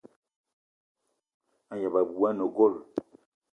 A gneb abui ane gold.